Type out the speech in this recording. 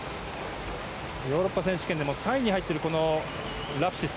ヨーロッパ選手権でも３位に入っているラプシス。